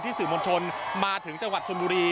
มาถึงที่สื่อมนชนจังหวัดชมบุรี